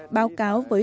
báo cáo với tổ tiên